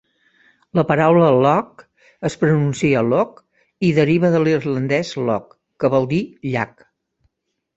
La paraula "lough" es pronuncia "loch" i deriva de l'irlandès "loch", que vol dir "llac".